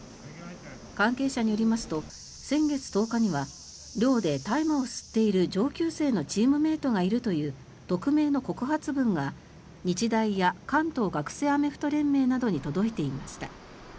関係者によりますと先月１０日には寮で大麻を吸っている上級生のチームメートがいるという匿名の告発文が日大や関東学生アメフト連盟などに届いていました。